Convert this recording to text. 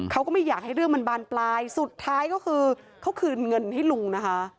ก็ไม่อยากให้เรื่องมันบานปลายสุดท้ายก็คือเขาคืนเงินให้ลุงนะคะ